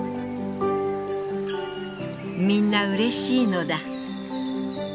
「みんな嬉しいのだ」。